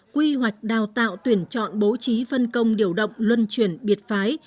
quy hoạch đào tạo tuyển chọn bố trí phân công điều động luân truyền biệt phái